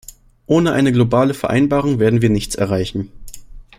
Ohne eine globale Vereinbarung werden wir nichts erreichen.